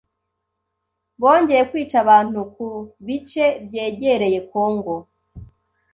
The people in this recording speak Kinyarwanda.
bongeye kwica abantu ku bice byegereye Congo,